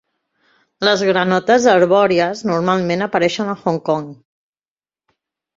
Les granotes arbòries normalment apareixen a Hong Kong.